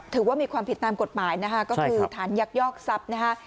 ถือว่ามีความผิดตามกฎหมายนะคะก็คือฐานยักยอกทรัพย์นะคะ